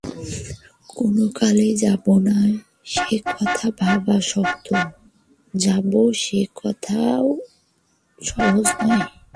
কোনো কালেই যাব না সে কথা ভাবা শক্ত, যাবই সে কথাও সহজ নয়।